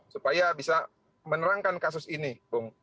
supaya bisa menerangkan kasus ini